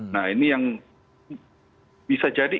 nah ini yang bisa jadi